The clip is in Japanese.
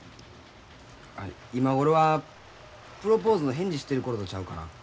今頃はプロポーズの返事してる頃とちゃうかな。